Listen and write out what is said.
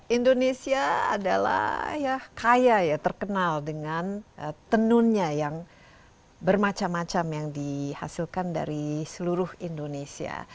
indonesia adalah ya kaya ya terkenal dengan tenunnya yang bermacam macam yang dihasilkan dari seluruh indonesia